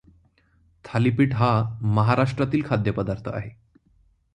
थालीपीठ हा महाराष्ट्रातील खाद्यपदार्थ आहे.